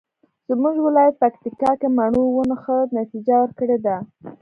زمونږ ولایت پکتیکا کې مڼو ونو ښه نتیجه ورکړې ده